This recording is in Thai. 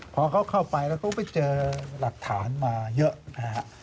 พอเขาเข้าไปแล้วเขาไปเจอหลักฐานมาเยอะนะฮะ